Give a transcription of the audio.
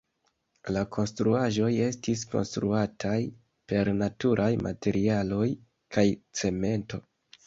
La konstruaĵoj estis konstruataj per naturaj materialoj kaj cemento.